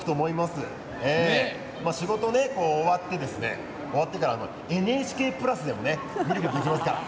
仕事終わってからＮＨＫプラスでもね見ることができますから。